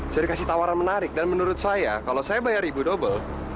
saya dikasih tawaran menarik dan menurut saya kalau saya bayar ibu double